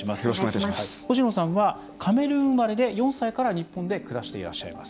星野さんはカメルーン生まれで４歳から日本で暮らしていらっしゃいます。